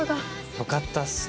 よかったっすね